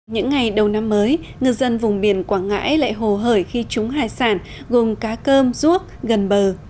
những ngày đầu năm mới ngư dân vùng biển quảng ngãi lại hồ hởi khi trúng hải sản gồm cá cơm ruốc gần bờ